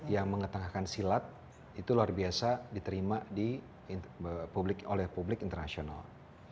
yang mengetengahkan silat itu luar biasa diterima oleh publik internasional